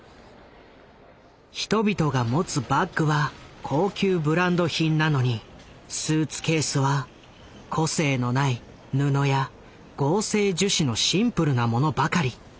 人々が持つバッグは高級ブランド品なのにスーツケースは個性のない布や合成樹脂のシンプルなものばかり。